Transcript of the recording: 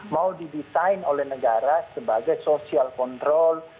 mau didesain oleh negara sebagai social control